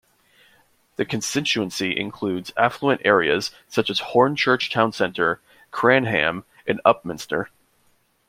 The constituency includes affluent areas such as Hornchurch town centre, Cranham and Upminster.